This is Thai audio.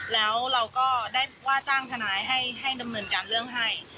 แล้วเราก็ได้ว่าจ้างทนายให้ดำเนินการเรื่องให้